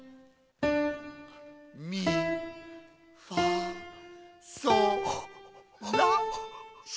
ミファソラシ。